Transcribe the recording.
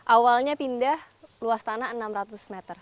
awalnya pindah luas tanah enam ratus meter